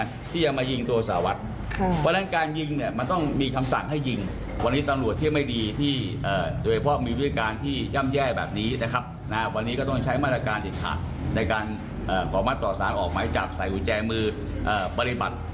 ในการก่อมัดต่อสารออกไหมจับใส่กุญแจมือปฏิบัติ